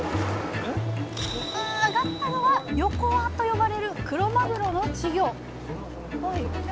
揚がったのはヨコワと呼ばれるクロマグロの稚魚それはそれで。